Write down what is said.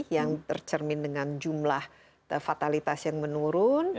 yang tercermin dengan jumlah fatalitas yang menurun